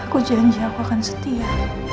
aku janji aku akan setia